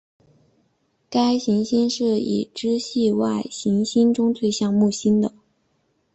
该行星是已知系外行星中最像木星的。